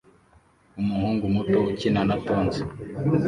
Umuhungu muto ukina na tonzi